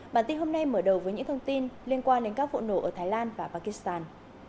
bản tin hôm nay mở đầu với những thông tin liên quan đến các vụ nổ ở thái lan và pakistan